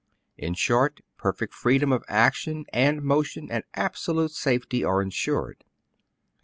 In short, perfect freedom of action and motion and absolute safety are insured.